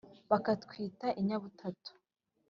Bakatwita inyabutatu